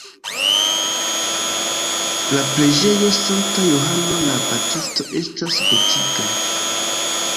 La preĝejo sankta Johano la Baptisto estas gotika.